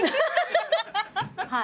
はい。